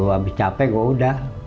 habis capek kok udah